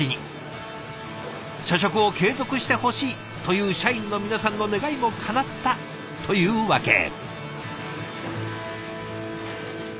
社食を継続してほしいという社員の皆さんの願いもかなったというわけ。